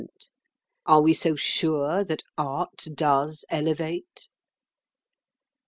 [Picture: Are we so sure that Art does elevate?